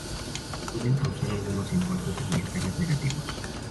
Puede causar algunos impactos ambientales negativos.